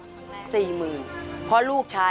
ทำไมเราต้องเป็นแบบเสียเงินอะไรขนาดนี้เวรกรรมอะไรนักหนา